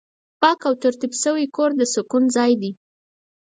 پاک او ترتیب شوی کور د سکون ځای دی.